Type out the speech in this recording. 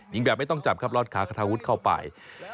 แบบไม่ต้องจับครับรอดขาคาทาวุฒิเข้าไป